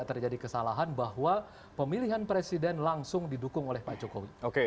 dan tidak terjadi kesalahan bahwa pemilihan presiden langsung didukung oleh pak jokowi